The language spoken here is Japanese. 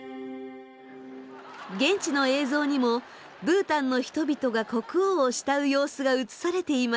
現地の映像にもブータンの人々が国王を慕う様子が映されていました。